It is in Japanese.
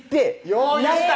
よう言った！